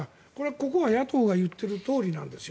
ここは野党が言っているとおりなんですよ。